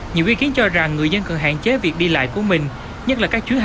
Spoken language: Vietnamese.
nhiều ý kiến cho rằng người dân cần hạn chế việc đi lạc